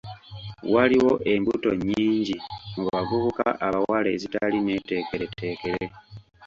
Waliwo embuto nnyingi mu bavubuka abawala ezitali neeteekereteekere.